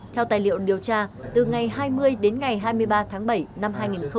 theo tài liệu điều tra từ ngày hai mươi đến ngày hai mươi ba tháng bảy năm hai nghìn hai mươi